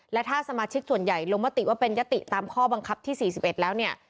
และถ้าสมาชิกส่วนใหญ่ลงมติว่าเป็นยติตามข้อบังคับที่๔๑แล้วเนี่ย